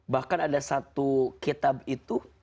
bahkan ada satu kitab itu